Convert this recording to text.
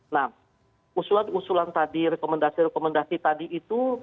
nah usulan usulan tadi rekomendasi rekomendasi tadi itu